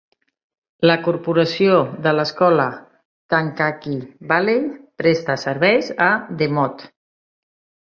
La corporació de l'escola Kankakee Valley presta serveis a DeMotte.